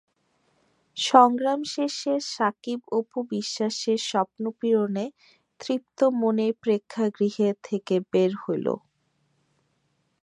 সংগ্রাম শেষে শাকিব-অপু বিশ্বাসের স্বপ্নপূরণে তৃপ্ত মনে প্রেক্ষাগৃহে থেকে বের হলো।